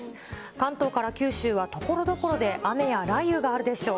関東から九州はところどころで雨や雷雨があるでしょう。